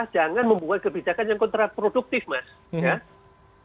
jangan membuat kebijakan yang kontraproduktif mas ya